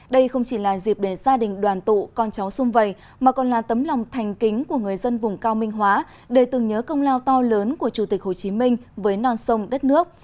đây không chỉ là dịp để gia đình đoàn tụ con cháu xung vầy mà còn là tấm lòng thành kính của người dân vùng cao minh hóa để từng nhớ công lao to lớn của chủ tịch hồ chí minh với non sông đất nước